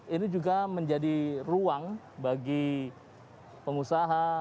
ini juga menjadi ruang bagi pengusaha